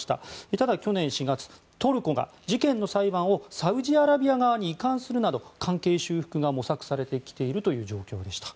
ただ、去年４月、トルコが事件の裁判をサウジアラビア側に移管するなど関係修復が模索されてきているという状況でした。